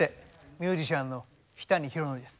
ミュージシャンの日谷ヒロノリです。